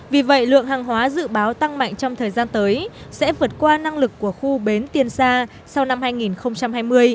vì vậy lượng hàng hóa dự báo tăng mạnh trong thời gian tới sẽ vượt qua năng lực của khu bến tiên sa sau năm hai nghìn hai mươi